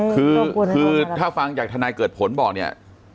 คือคือถ้าฟังจากทนายเกิดผลบอกเนี่ย